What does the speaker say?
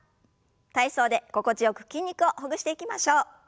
体操で心地よく筋肉をほぐしていきましょう。